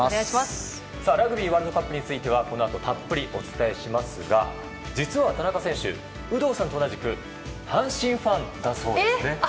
ラグビーワールドカップについては、このあとたっぷりお伝えしますが実は、田中選手有働さんと同じく阪神ファンだそうですね。